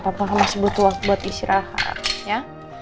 papa masih butuh waktu buat isi rehat ya